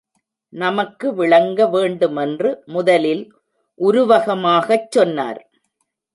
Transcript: நமக்கு விளங்க வேண்டுமென்று முதலில் உருவகமாகச் சொன்னார்.